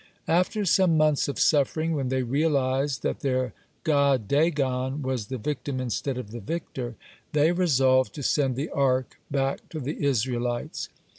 (34) After some months of suffering, when they realized that their god Dagon was the victim instead of the victor, they resolved to send the Ark back to the Israelites.